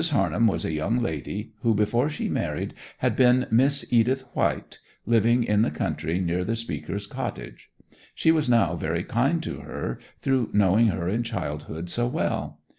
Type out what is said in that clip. Harnham was a young lady who before she married had been Miss Edith White, living in the country near the speaker's cottage; she was now very kind to her through knowing her in childhood so well.